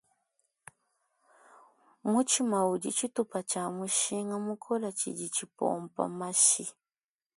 Mutshima udi tshitupa tshia mushinga mukole tshidi tshipompa mashi.